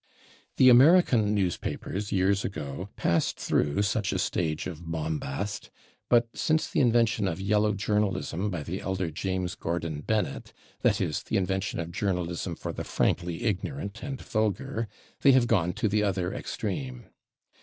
" The American newspapers, years ago, passed through such a stage of bombast, but since the invention of yellow journalism by the elder James Gordon Bennett that is, the invention of journalism for the frankly ignorant and vulgar they have gone to the other extreme.